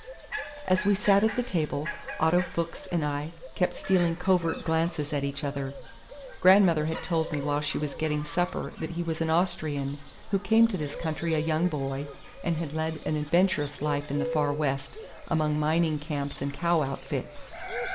As we sat at the table Otto Fuchs and I kept stealing covert glances at each other. Grandmother had told me while she was getting supper that he was an Austrian who came to this country a young boy and had led an adventurous life in the Far West among mining camps and cow outfits.